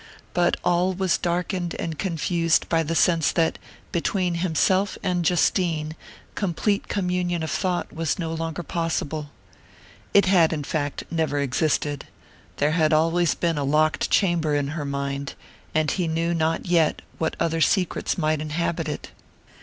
But all was darkened and confused by the sense that, between himself and Justine, complete communion of thought was no longer possible. It had, in fact, never existed; there had always been a locked chamber in her mind, and he knew not yet what other secrets might inhabit it.